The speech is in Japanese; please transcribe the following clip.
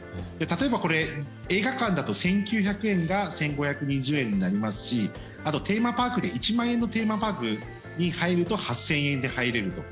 例えばこれ、映画館だと１９００円が１５２０円になりますしあとテーマパークで１万円のテーマパークに入ると８０００円で入れると。